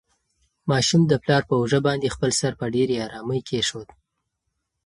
ماشوم د پلار په اوږه باندې خپل سر په ډېرې ارامۍ کېښود.